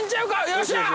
よっしゃー！